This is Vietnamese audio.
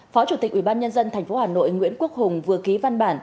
phó chủ tịch ubnd tp hà nội nguyễn quốc hùng vừa ký văn bản